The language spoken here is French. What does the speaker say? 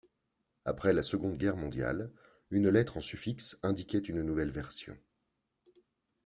Apres la Seconde Guerre mondiale, une lettre en suffixe indiquait une nouvelle version.